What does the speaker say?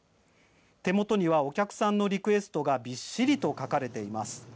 手元にはお客さんのリクエストがびっしりと書かれています。